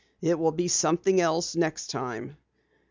It will be something else next time."